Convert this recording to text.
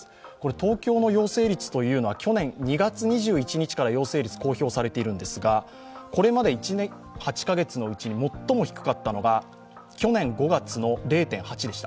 東京の陽性率は去年から陽性率公表されているんですがこれまで１年８カ月のうちに最も低かったのが去年５月の０．８でした。